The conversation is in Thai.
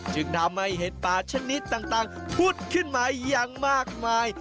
จึงทำให้เห็ดป่าชนิดต่างพุดขึ้นมาอย่างมากมาย